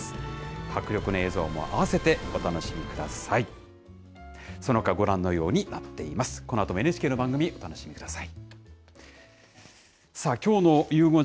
迫力の映像も合わせてお楽しみください。